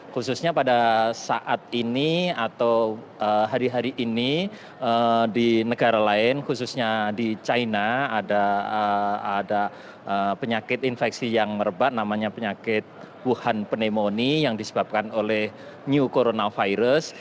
khususnya pada saat ini atau hari hari ini di negara lain khususnya di china ada penyakit infeksi yang merebat namanya penyakit wuhan pneumonia yang disebabkan oleh new coronavirus